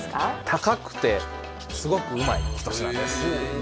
高くてすごくうまい一品です